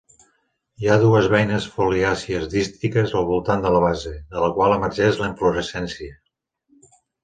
Hi ha dues beines foliàcies dístiques al voltant de la base, de la qual emergeix la inflorescència.